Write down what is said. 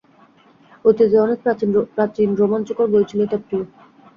অতীতের অনেক প্রাচীন রোমাঞ্চকর বই ছিল তার প্রিয়।